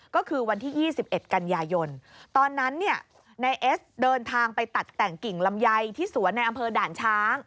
ก็คือวันที่๒๑กันยายนตอนนั้นเนี่ยนายเอสเดินทางไปตัดแต่งกิ่งลำไยที่สวนในอำเภอด่านช้าง